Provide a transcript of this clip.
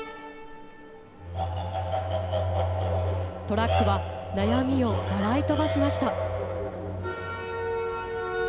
トラックは悩みを笑い飛ばしました。